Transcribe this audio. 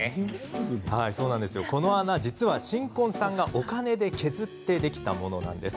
この穴、実は新婚さんがお金で削ってできたものなんです。